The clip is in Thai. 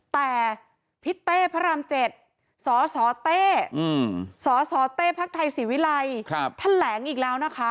แต่พี่เต้พระรามเจ็ดสสเต้สสเต้ภไทยศิวิไลแถลงอีกแล้วนะคะ